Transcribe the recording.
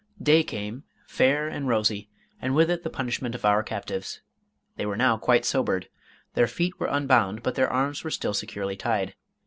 Day came, fair and rosy, and with it the punishment of our captives. They were now quite sobered. Their feet were unbound, but their arms were still securely tied.